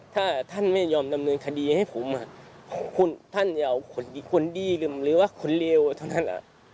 ถ้าท่านไม่ยอมดำเนินคดีให้ผมท่านจะเอาคนดีหรือว่าคนเลวเท่านั้น